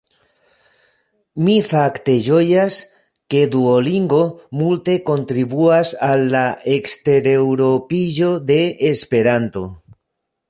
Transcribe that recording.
Mi fakte ĝojas, ke Duolingo multe kontribuas al la ekstereŭropiĝo de Esperanto.